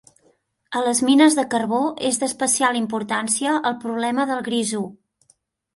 A les mines de carbó és d'especial importància el problema del grisú.